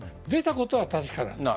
出たことは確か。